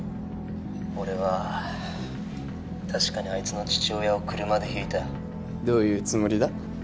「俺は確かにあいつの父親を車でひいた」どういうつもりだ？